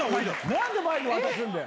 何でマイク渡すんだよ！